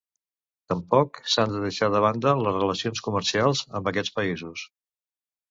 Tampoc s'han de deixar de banda les relacions comercials amb aquests països.